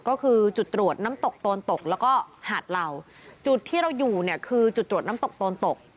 ก็คือจุดตรวจน้ำตกโตนตกแล้วก็หาดเหล่าจุดที่เราอยู่เนี่ยคือจุดตรวจน้ำตกโตนตก